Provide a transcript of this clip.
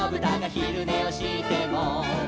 「ひるねをしても」